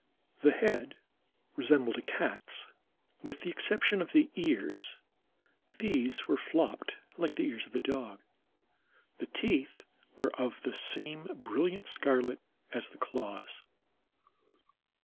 The head resembled a cat's, with the exception of the ears—these were flopped like the ears of a dog. The teeth were of the same brilliant scarlet as the claws.